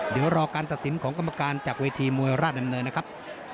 เดี๋ยวรอการตัดสินของกรรมการจากเวทีมวยราชดำเนินนะครับ